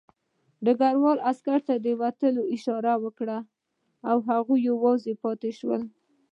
ډګروال عسکر ته د وتلو اشاره وکړه او هغوی یوازې پاتې شول